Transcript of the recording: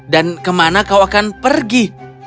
dan kemana kau akan pergi